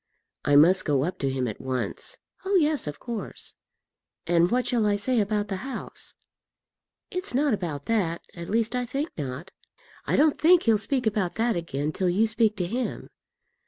"I must go up to him at once." "Oh, yes, of course." "And what shall I say about the house?" "It's not about that, at least I think not. I don't think he'll speak about that again till you speak to him."